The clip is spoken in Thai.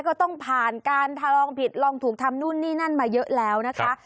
ก็ต้องผ่านการทะลองผิดลองถูกทำนู่นนี่นั่นมาเยอะแล้วนะคะ